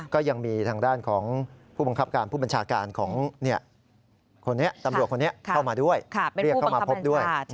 ก็ยังมีทางด้านของผู้บัญชาการของตำรวจเข้ามาด้วยเรียกเข้ามาพบด้วย